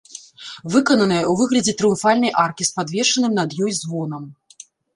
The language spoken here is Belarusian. Выкананая ў выглядзе трыумфальнай аркі з падвешаным над ёй звонам.